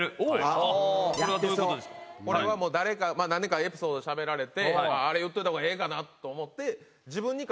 誰かエピソードしゃべられてあれ言っといたほうがええかなと思って。